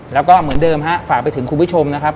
แล้วก็เหมือนเดิมฮะฝากไปถึงคุณผู้ชมนะครับ